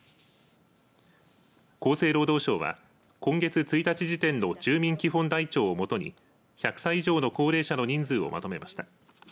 厚生労働省は、今月１日時点の住民基本台帳を基に１００歳以上の高齢者の人数をまとめました。